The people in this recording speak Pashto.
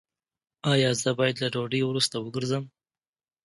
ایا زه باید له ډوډۍ وروسته وګرځم؟